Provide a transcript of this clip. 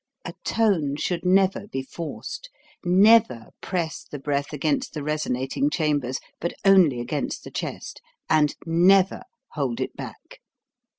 A tone should never be forced; never press the breath against the resonating chambers, but only against the chest; and NEVER hold it back.